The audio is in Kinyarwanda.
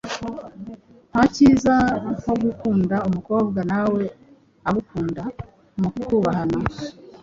Ntakiza nkogukunda umukobwa nawe agukunda mukubahana